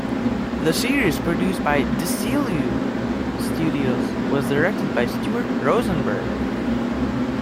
The series, produced at Desilu Studios, was directed by Stuart Rosenberg.